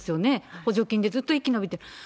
補助金でずっと生き延びてる。